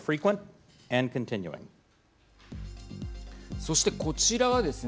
そして、こちらはですね